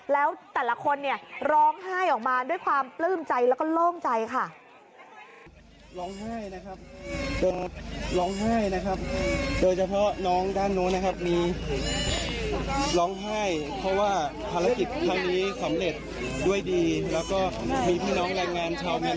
แล้วแต่ละคนเนี่ยร้องไห้ออกมาด้วยความปลื้มใจแล้วก็โล่งใจค่ะ